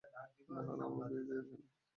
নাহলে আমারটা ভিজে যাবে।